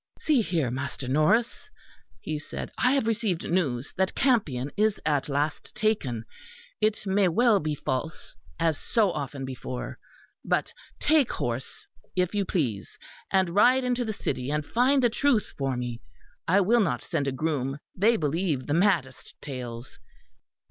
"See here, Master Norris," he said, "I have received news that Campion is at last taken: it may well be false, as so often before; but take horse, if you please, and ride into the city and find the truth for me. I will not send a groom; they believe the maddest tales.